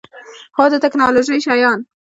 هو، د تکنالوژۍ شیان